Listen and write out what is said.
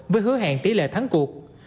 với hứa hẹn tỷ lệ thắng cuộc